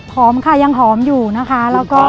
ค่ะยังหอมอยู่นะคะแล้วก็